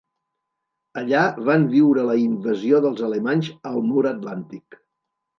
Allà van viure la invasió dels alemanys al Mur Atlàntic.